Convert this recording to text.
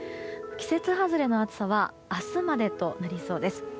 季節外れの暑さは明日までとなりそうです。